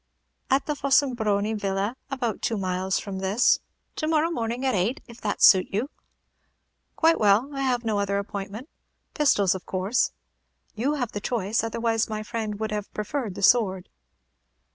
"At the Fossombroni Villa, about two miles from this. To morrow morning, at eight, if that suit you." "Quite well. I have no other appointment. Pistols, of course?" "You have the choice, otherwise my friend would have preferred the sword."